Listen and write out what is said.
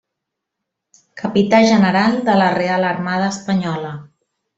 Capità General de la Real Armada Espanyola.